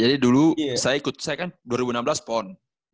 jadi dulu saya ikut saya kan dua ribu enam belas pon